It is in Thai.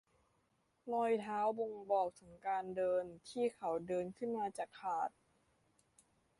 รอยเท้าบ่งบอกถึงทางเดินที่เขาเดินขึ้นมาจากหาด